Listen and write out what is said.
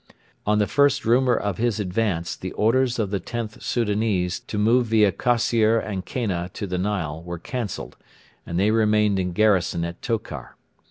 On the first rumour of his advance the orders of the Xth Soudanese to move via Kossier and Kena to the Nile were cancelled, and they remained in garrison at Tokar.